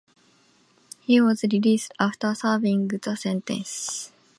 He was released after serving the sentence.